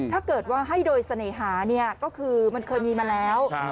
ถ้าเกิดว่าให้โดยเสน่หาเนี่ยก็คือมันเคยมีมาแล้ว